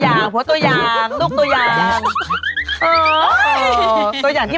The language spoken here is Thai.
มันเป็นอะไร